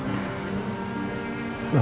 yakin dengan ketetapan allah